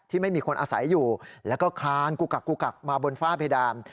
ไม่มีคนอาศัยอยู่แล้วก็คลานกูกักกูกักมาบนฝ้าเพดาน